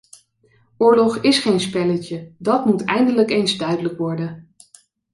Oorlog is geen spelletje - dat moet eindelijk eens duidelijk worden.